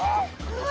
うわ。